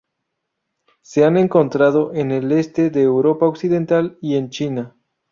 Se han encontrado en el oeste de Europa occidental y en China.